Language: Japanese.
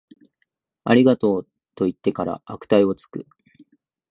ありがとう、と言ってから悪態をつく